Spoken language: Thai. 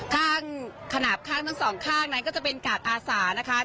ข้างขนาดข้างทั้งสองข้างนั้นก็จะเป็นกาดอาสานะคะ